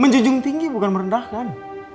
menjunjung tinggi bukan merendahkan